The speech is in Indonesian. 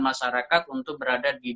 masyarakat untuk berada di